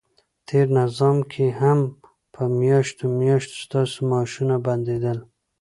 تېر نظام کې هم په میاشتو میاشتو ستاسو معاشونه بندیدل،